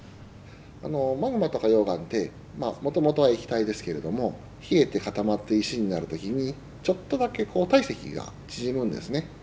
マグマとか溶岩ってもともとは液体ですけれども冷えて固まって石になる時にちょっとだけ体積が縮むんですね。